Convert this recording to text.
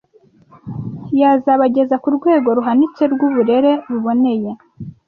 yazabageza ku rwego ruhanitse rw’uburere buboneye